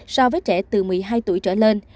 so với trẻ từ một mươi hai tuổi trở lên